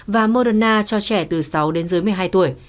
và moderna cho trẻ từ sáu đến dưới một mươi hai tuổi